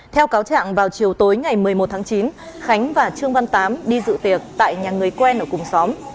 theo cáo trạng vào chiều tối ngày một mươi một tháng chín khánh và trương văn tám đi dự tiệc tại nhà người quen ở cùng xóm